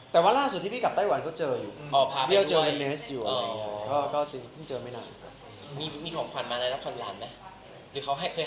แต่ว่าล่าสุดที่พี่กลับไต้หวันก็เจออยู่